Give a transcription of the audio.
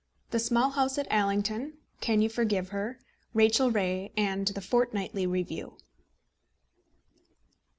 THE SMALL HOUSE AT ALLINGTON CAN YOU FORGIVE HER? RACHEL RAY AND THE FORTNIGHTLY REVIEW.